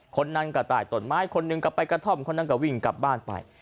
คนนั้นก็ตายต้นไม้คนหนึ่งก็ไปกระท่อมคนนั้นก็วิ่งกลับบ้านไป